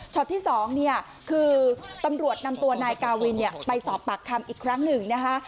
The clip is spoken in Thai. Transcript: ที่๒เนี่ยคือตำรวจนำตัวนายกาวินไปสอบปากคำอีกครั้งหนึ่งนะคะ